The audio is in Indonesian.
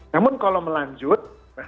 namun kalau melanjut